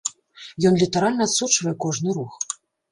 Ён літаральна адсочвае кожны рух.